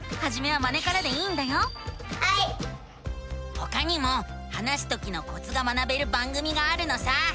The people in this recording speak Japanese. ほかにも話すときのコツが学べる番組があるのさ！